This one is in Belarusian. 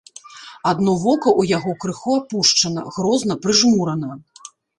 Адно вока ў яго крыху апушчана, грозна прыжмурана.